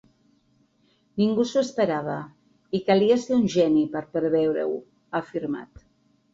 Ningú s’ho esperava’ i ‘calia ser un geni’ per preveure-ho, ha afirmat.